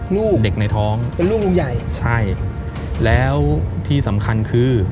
ลูกเป็นลูกลูกใหญ่ใช่แล้วที่สำคัญคือ